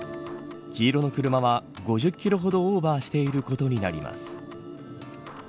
黄色の車は５０キロほどオーバーしていることになります。